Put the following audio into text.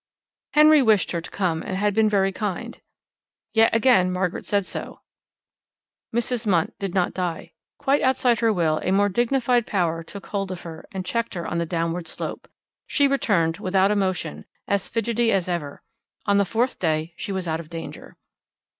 Henry wished her to come, and had been very kind. Yet again Margaret said so. Mrs. Munt did not die. Quite outside her will, a more dignified power took hold of her and checked her on the downward slope. She returned, without emotion, as fidgety as ever. On the fourth day she was out of danger.